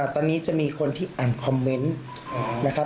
ตอนนี้จะมีคนที่อ่านคอมเมนต์นะครับ